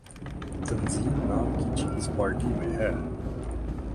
تنظیم نام کی چیز پارٹی میں ہے۔